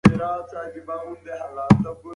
ولې د ټولنیزو اړیکو پرېکون مه کوې؟